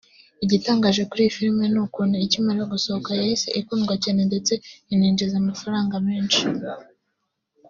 Igitangaje kuri iyi filimi ni ukuntu ikimara gusohoka yahise ikundwa cyane ndetse ininjiza amafaranga menshi